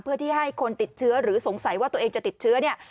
เพื่อที่ให้คนติดเชื้อหรือสงสัยว่าตัวเองจะติดเชื้อเนี่ย